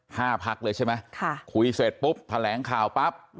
ห้าภักดิ์เลยใช่ไหมคุยเสร็จปุ๊บแถลงข่าวปั๊บ